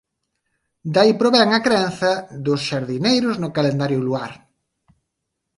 De aí provén a crenza dos xardineiros no calendario luar.